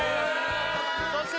そして